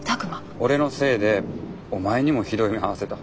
俺のせいでお前にもひどい目遭わせた。